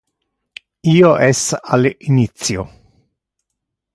Io es al initio.